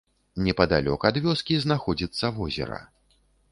Непадалёк ад вёскі знаходзіцца возера.